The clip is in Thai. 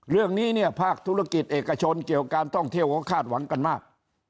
เรื่องนี้เนี่ยภาคธุรกิจเอกชนเกี่ยวการท่องเที่ยวเขาคาดหวังกันมาก